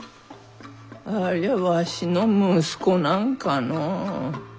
ありゃわしの息子なんかのう？